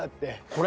これ？